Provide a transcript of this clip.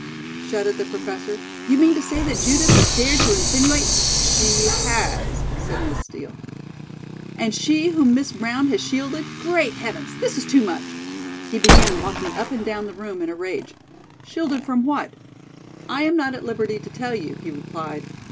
shouted the Professor. "You mean to say that Judith has dared to insinuate " "She has," said Miss Steel. "And she whom Miss Brown has shielded great heavens! this is too much." He began walking up and down the room in a rage. "Shielded from what?" "I am not at liberty to tell you," he replied.